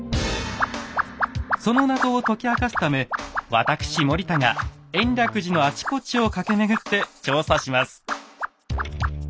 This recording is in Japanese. その謎を解き明かすため私森田が延暦寺のあちこちを駆け巡って調査します。